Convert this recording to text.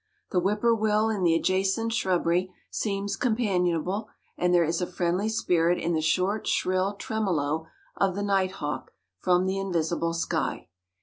The whip poor will in the adjacent shrubbery seems companionable, and there is a friendly spirit in the short, shrill tremolo of the night hawk from the invisible sky.